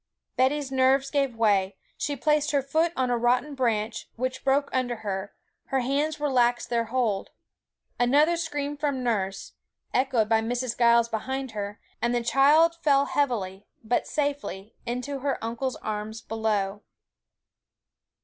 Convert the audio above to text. Betty's nerves gave way; she placed her foot on a rotten branch, which broke under her; her hands relaxed their hold. Another scream from nurse, echoed by Mrs. Giles behind her, and the child fell heavily, but safely, into her uncle's arms below.